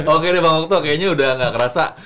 oke nih pak wokto kayaknya udah gak kerasa